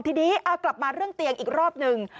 ทีนี้เอากลับมาเรื่องเตียงอีกรอบหนึ่ง